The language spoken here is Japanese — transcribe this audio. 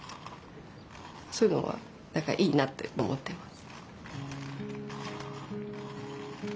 そういうのは何かいいなって思ってます。